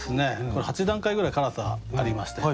これ８段階ぐらい辛さありまして。